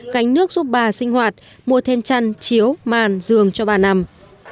cánh nước giúp bà sinh hoạt mua thêm chăn chiếu màn giường cho bà nằm